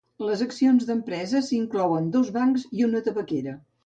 Les accions d'empreses inclouen dos bancs i una tabaquera.